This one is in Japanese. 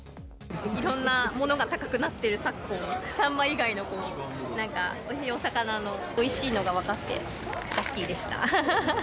いろんなものが高くなっている昨今、サンマ以外のおいしいお魚のおいしいのが分かってラッキーでした。